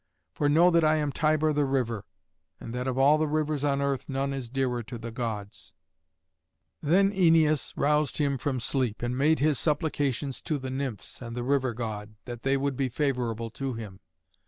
For know that I am Tiber the river, and that of all the rivers on earth none is dearer to the Gods." [Illustration: ÆNEAS AND TIBER.] Then Æneas roused him from sleep, and made his supplications to the Nymphs and the river god, that they would be favourable to him.